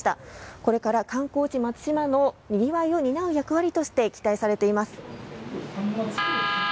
これから観光地松島のにぎわいを担う役割として期待されています。